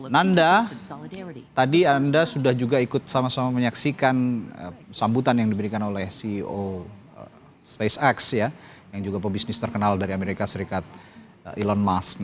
nanda tadi anda sudah juga ikut sama sama menyaksikan sambutan yang diberikan oleh ceo spacex yang juga pebisnis terkenal dari amerika serikat elon musk